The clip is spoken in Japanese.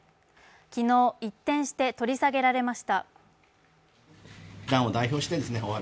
昨日、一転して取り下げられました。